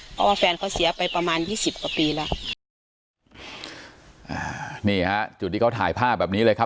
เพราะว่าแฟนเขาเสียไปประมาณยี่สิบกว่าปีแล้วอ่านี่ฮะจุดที่เขาถ่ายภาพแบบนี้เลยครับ